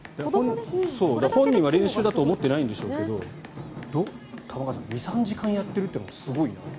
本人は練習だと思ってないんでしょうけど玉川さん、２３時間やっているのもすごいなって。